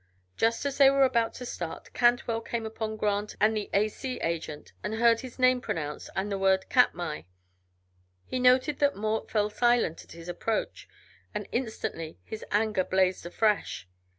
Just as they were about to start, Cantwell came upon Grant and the A. C. agent, and heard his name pronounced, also the word "Katmai." He noted that Mort fell silent at his approach, and instantly his anger blazed afresh.